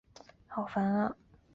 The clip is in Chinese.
该高速在河南省境内较为繁忙。